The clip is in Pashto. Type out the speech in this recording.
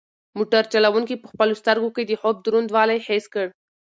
موټر چلونکي په خپلو سترګو کې د خوب دروندوالی حس کړ.